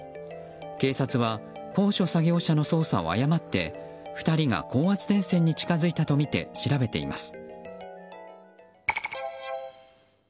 警察は高所作業車の操作を誤って２人が高圧電線に近づいたとみて調べています。